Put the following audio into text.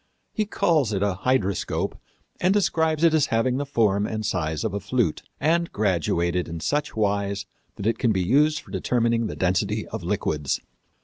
He calls it a hydroscope and describes it as having the form and size of a flute, and graduated in such wise that it can be used for determining the density of liquids.